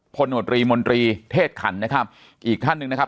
โนตรีมนตรีเทศขันนะครับอีกท่านหนึ่งนะครับ